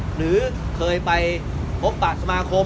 หรือเคยไปพบปะสมาคม